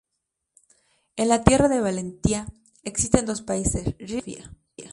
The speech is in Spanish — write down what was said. En la tierra de "Valentia" existen dos países: "Rigel" y "Sofia".